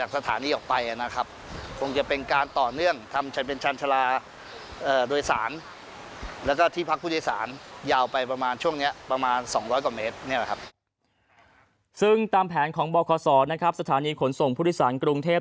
ซึ่งตามแผนของบคศนะครับสถานีขนส่งผู้โดยสารกรุงเทพ